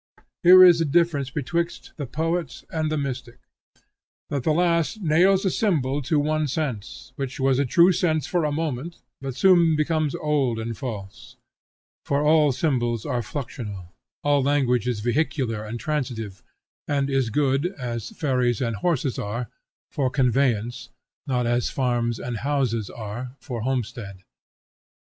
Here is the difference betwixt the poet and the mystic, that the last nails a symbol to one sense, which was a true sense for a moment, but soon becomes old and false. For all symbols are fluxional; all language is vehicular and transitive, and is good, as ferries and horses are, for conveyance, not as farms and houses are, for homestead.